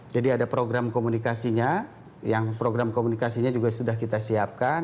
jadi ada program komunikasinya yang program komunikasinya juga sudah kita siapkan